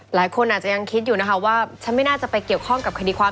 หลายคนอาจจะยังคิดอยู่นะคะว่าฉันไม่น่าจะไปเกี่ยวข้องกับคดีความ